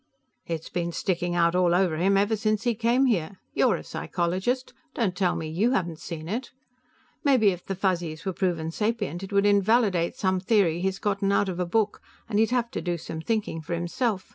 "It's been sticking out all over him ever since he came here. You're a psychologist; don't tell me you haven't seen it. Maybe if the Fuzzies were proven sapient it would invalidate some theory he's gotten out of a book, and he'd have to do some thinking for himself.